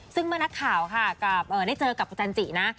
ซึ่งเมื่อนักข่าวค่ะได้เจอกับคุณจันจินะ